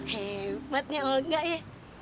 hebatnya olga ya